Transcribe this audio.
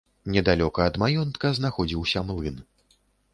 Недалёка ад маёнтка знаходзіўся млын.